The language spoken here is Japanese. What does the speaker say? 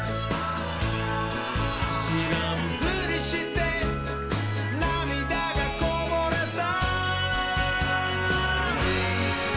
「しらんぷりしてなみだがこぼれた」